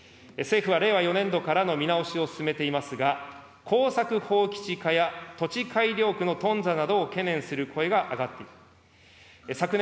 政府は令和４年度からの見直しを進めていますが、耕作放棄地化や土地改良区の頓挫などを懸念する声が上がっています。